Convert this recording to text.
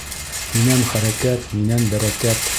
Һинән хәрәкәт, минән бәрәкәт.